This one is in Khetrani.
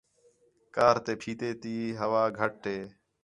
کار تے پِھیتے تی ہوا گھٹ ہے